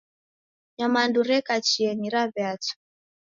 Nyamandu reka chienyi, raw'eacha.